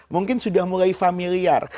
mungkin sudah mulai familiar